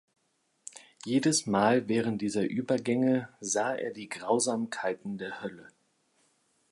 Jedes Mal während dieser Übergänge sah er die Grausamkeiten der Hölle.